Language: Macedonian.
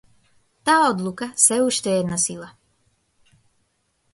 Таа одлука сѐ уште е на сила.